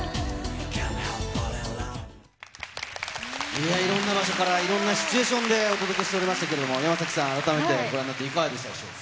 いや、いろんな場所から、いろんなシチュエーションでお届けしておりましたけれども、山崎さん、改めてご覧になって、いかがでしょう。